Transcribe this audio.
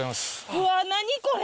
うわ何これ！